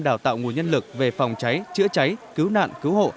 đào tạo nguồn nhân lực về phòng cháy chữa cháy cứu nạn cứu hộ